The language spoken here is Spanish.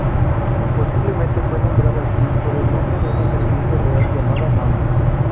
Posiblemente fue nombrada así por el nombre de una serpiente real llamada Mamba.